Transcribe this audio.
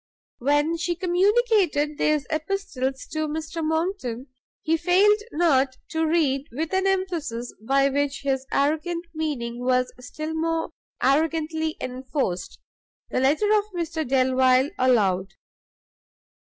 When she communicated these epistles to Mr Monckton, he failed not to read, with an emphasis, by which his arrogant meaning was still more arrogantly enforced, the letter of Mr Delvile aloud.